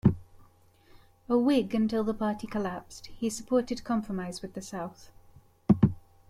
A Whig until the party collapsed, he supported compromise with the south.